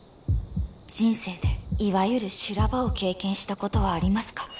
人生でいわゆる修羅場を経験したことはありますか？